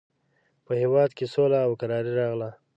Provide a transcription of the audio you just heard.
په هېواد کې سوله او کراري راغله.